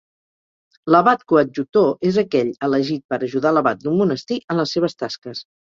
L'abat coadjutor és aquell elegit per ajudar l'abat d'un monestir en les seves tasques.